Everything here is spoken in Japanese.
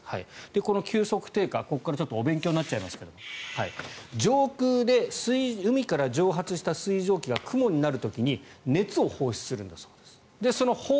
この急速強化、ここからお勉強になっちゃいますが上空で海から蒸発した水蒸気が雲になる時に熱を放出するんだそうです。